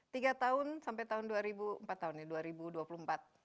tiga tahun sampai tahun dua ribu empat tahun ya